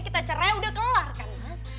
kita cerai udah kelar kan mas